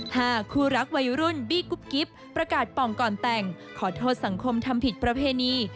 หากคู่รักวัยรุ่นบี้กุ๊บกิ๊บประกาศป่องก่อนแต่งขอโทษสังคมทำผิดประเพณี